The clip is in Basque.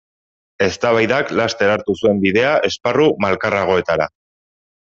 Eztabaidak laster hartu zuen bidea esparru malkarragoetara.